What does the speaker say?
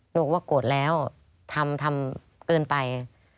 บอกว่าโกรธแล้วทำทำเกินไป